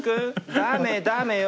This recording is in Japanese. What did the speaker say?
ダメダメよ！